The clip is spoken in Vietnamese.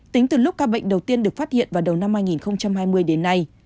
tính từ lúc ca bệnh đầu tiên được phát hiện vào đầu năm hai nghìn hai mươi đến nay